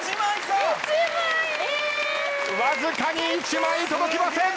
わずかに１枚届きません。